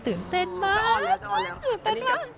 ตื่นเต้นมากตื่นเต้นมาก